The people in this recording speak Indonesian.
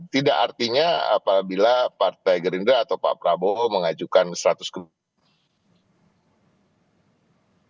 tidak artinya apabila partai gerindra atau pak prabowo mengajukan seratus kemungkinan